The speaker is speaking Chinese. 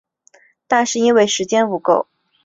但是因为时间不够